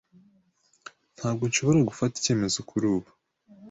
Ntabwo nshobora gufata icyemezo kuri ubu.